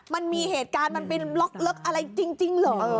มันมีเหตุการณ์มันเป็นล็อกเลิกอะไรจริงเหรอ